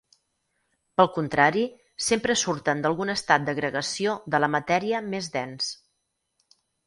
Pel contrari, sempre surten d'algun estat d'agregació de la matèria més dens.